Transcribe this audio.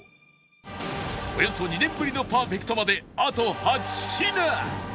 およそ２年ぶりのパーフェクトまであと８品